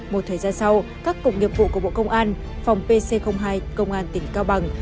một thời gian sau các cục nghiệp vụ của bộ công an phòng pc hai công an tỉnh cao bằng